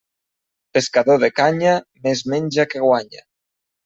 Pescador de canya, més menja que guanya.